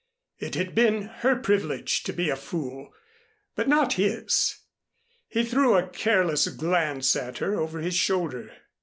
It had been her privilege to be a fool but not his. He threw a careless glance at her over his shoulder.